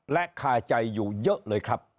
และคาใจอยู่เยอะเลยครับ